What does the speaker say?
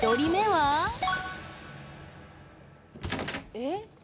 えっ？